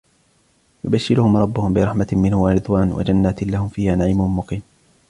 يبشرهم ربهم برحمة منه ورضوان وجنات لهم فيها نعيم مقيم